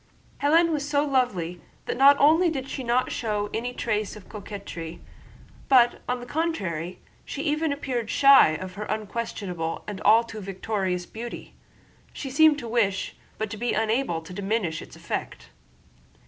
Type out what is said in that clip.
Hélène was so lovely that not only did she not show any trace of coquetry, but on the contrary she even appeared shy of her unquestionable and all too victorious beauty. She seemed to wish, but to be unable, to diminish its effect.